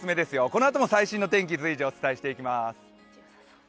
このあとも最新の天気随時お伝えしていきます。